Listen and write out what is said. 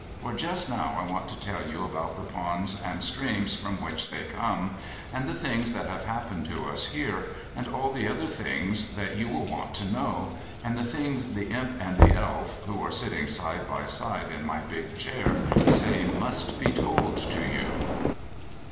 For just now I want to tell you about the ponds and streams from which they come, and the things that have happened to us there, and all the other things that you will want to know, and the things the Imp and the Elf, who are sitting side by side in my big chair, say must be told to you.